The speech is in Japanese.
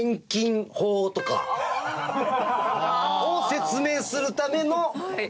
説明するための絵。